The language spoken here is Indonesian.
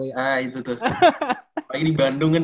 ah itu tuh paling di bandung kan